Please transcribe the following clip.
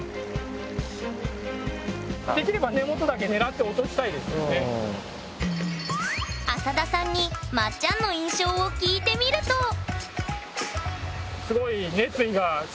できれば浅田さんにまっちゃんの印象を聞いてみるとそうだよね。